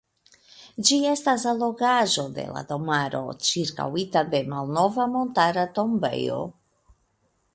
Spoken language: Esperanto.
Ĝi estas allogaĵo de la domaro (ĉirkaŭita de malnova montara tombejo).